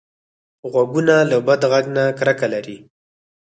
غوږونه له بد غږ نه کرکه لري